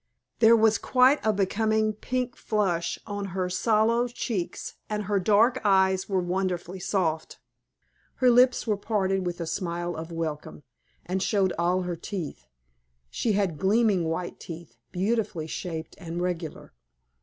There was quite a becoming pink flush on her sallow cheeks, and her dark eyes were wonderfully soft. Her lips were parted with a smile of welcome, and showed all her teeth she had gleaming white teeth, beautifully shaped and regular.